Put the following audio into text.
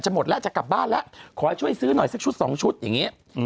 หมดแล้วจะกลับบ้านแล้วขอให้ช่วยซื้อหน่อยสักชุดสองชุดอย่างนี้